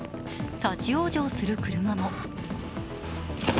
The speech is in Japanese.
立往生する車も。